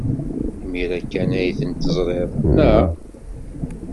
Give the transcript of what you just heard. Imir-a kan ay tent-teẓrid, naɣ?